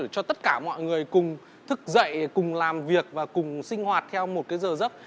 cho tất cả mọi người cùng thức dậy cùng làm việc và cùng sinh hoạt theo một cái giờ giấc